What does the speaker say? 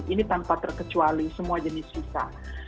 ini tanpa terkecuali semua jenis visa